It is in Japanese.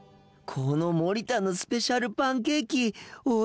この森田のスペシャルパンケーキおいしそう。